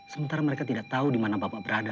sementara mereka tidak tahu di mana bapak berada